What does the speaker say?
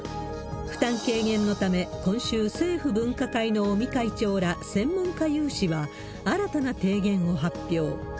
負担軽減のため、今週、政府分科会の尾身会長ら専門家有志は、新たな提言を発表。